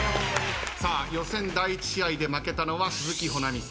さあ予選第１試合で負けたのは鈴木保奈美さん。